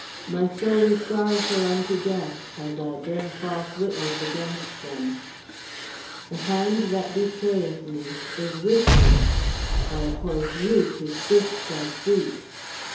My soul is sorrowful unto death, as I bear false witness against them. "The hand that betrayeth me is with me. "I appoint you to sift as wheat.